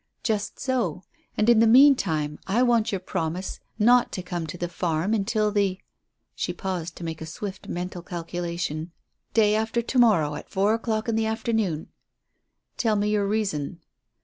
"Just so. And in the meantime I want your promise not to come to the farm until the" she paused to make a swift mental calculation "day after to morrow at four o'clock in the afternoon." "Tell me your reason."